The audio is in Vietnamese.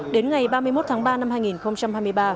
đến ngày ba mươi một tháng ba năm hai nghìn hai mươi ba